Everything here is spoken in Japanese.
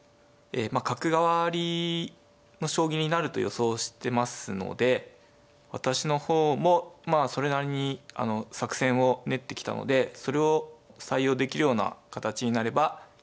えまあ角換わりの将棋になると予想してますので私の方もまあそれなりに作戦を練ってきたのでそれを採用できるような形になればよいと思っています。